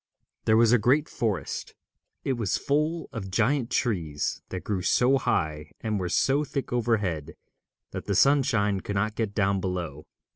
There was a great forest. It was full of giant trees that grew so high and were so thick overhead that the sunshine could not get down below.